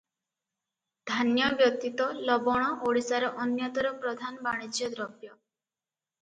ଧାନ୍ୟ ବ୍ୟତୀତ ଲବଣ ଓଡିଶାର ଅନ୍ୟତର ପ୍ରଧାନ ବାଣିଜ୍ୟଦ୍ରବ୍ୟ ।